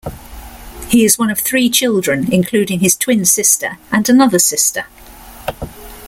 He is one of three children, including his twin sister, and another sister.